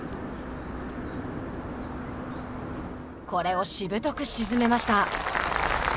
これをしぶとく沈めました。